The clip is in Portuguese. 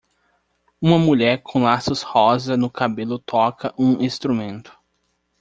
Uma mulher com laços rosa no cabelo toca um instrumento.